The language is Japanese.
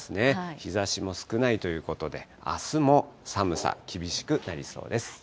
日ざしも少ないということで、あすも寒さ厳しくなりそうです。